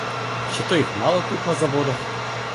Чи то їх мало є тут на заводах?